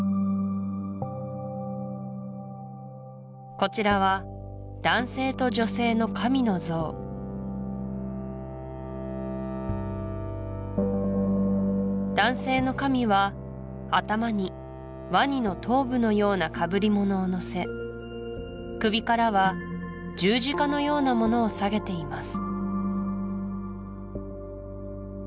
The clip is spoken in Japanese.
こちらは男性と女性の神の像男性の神は頭にワニの頭部のようなかぶりものをのせ首からは十字架のようなものを下げています